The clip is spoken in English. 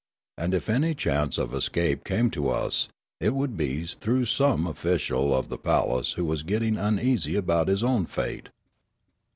And if any chance of escape came to us, it would be through some official of the palace who was getting uneasy about his own fate.